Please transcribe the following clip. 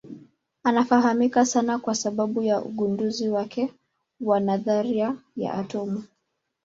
Anafahamika sana kwa sababu ya ugunduzi wake wa nadharia ya atomu.